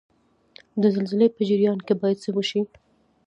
د زلزلې په جریان کې باید څه وشي؟